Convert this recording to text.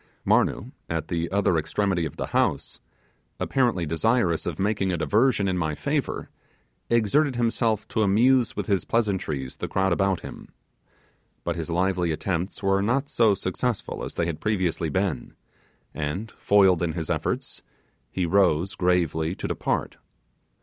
Marnoo, at the other extremity of the house, apparently desirous of making a diversion in my favour, exerted himself to amuse with his pleasantries the crowd about him; but his lively attempts were not so successful as they had previously been, and, foiled in his efforts, he rose gravely to depart.